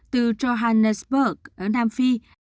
từ johannesburg ở nam phi